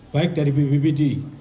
baik dari bbbd